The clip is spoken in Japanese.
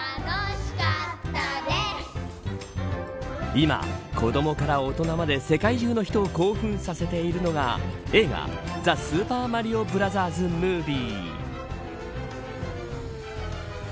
今、子どもから大人まで世界中の人を興奮させているのが映画ザ・スーパーマリオブラザーズ・ムービー。